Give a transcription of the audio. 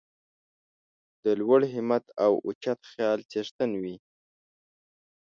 د لوړ همت او اوچت خیال څښتن وي.